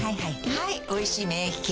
はい「おいしい免疫ケア」